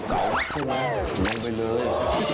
เก๋านักใช่ไหมน้องไปเลย